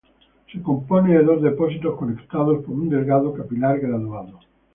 Se compone de dos depósitos conectados por un delgado capilar graduado.